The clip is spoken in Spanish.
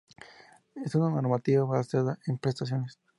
Es una normativa basada en prestaciones.